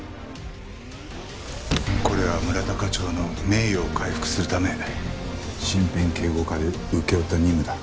これは村田課長の名誉を回復するため身辺警護課で請け負った任務だ。